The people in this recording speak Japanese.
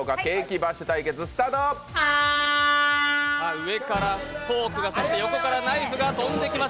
上からフォーク、横からナイフが飛んできます。